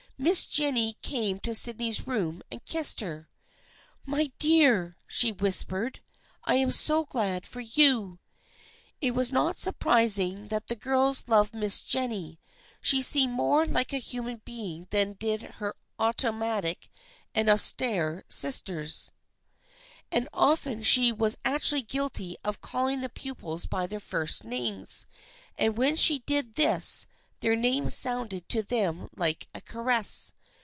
Miss Jennie came to Sydney's room and kissed her. " My dear," she whispered, " I am so glad for you!" It was not surprising that the girls loved Miss Jennie. She seemed more like a human being than did her automatic and austere sisters, and often she was actually guilty of calling the pupils by their first names, and when she did this their names sounded to them like a caress.